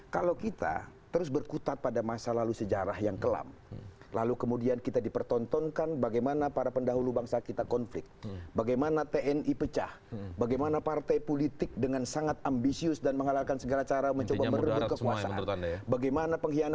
kalau di dalam film itu setahu saya tidak pernah ada tuduhan